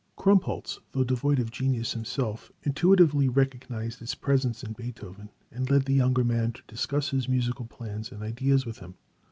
Krumpholz though devoid of genius himself, intuitively recognized its presence in Beethoven, and led the younger man to discuss his musical plans and ideas with him.